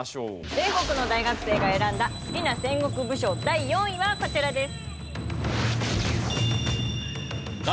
全国の大学生が選んだ好きな戦国武将第４位はこちらです。